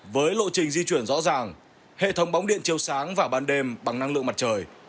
với lộ trình di chuyển rõ ràng hệ thống bóng điện chiêu sáng vào ban đêm bằng năng lượng mặt trời